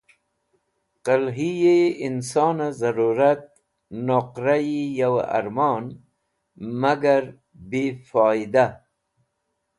Qẽlhiyi insonẽ zẽrũtat noqrayi you ẽrmon, magar bifoyda.